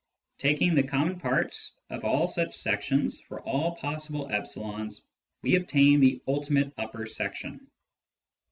Taking the common part of all such sections for all possible e's, we obtain the " ultimate upper section."